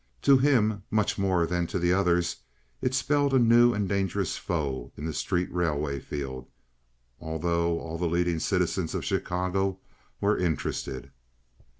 To him much more than to the others it spelled a new and dangerous foe in the street railway field, although all the leading citizens of Chicago were interested.